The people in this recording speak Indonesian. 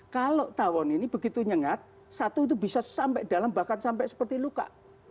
kalau tawon ini begitu nyengat satu itu bisa sampai dalam bahkan sampai seperti luka